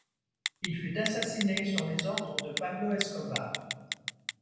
Il fut assassiné sur les ordres de Pablo Escobar.